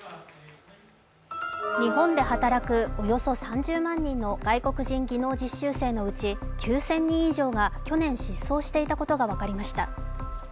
日本で働くおよそ３０万人の外国人技能実習生のうち９０００人以上が去年失踪していたことが分かりました。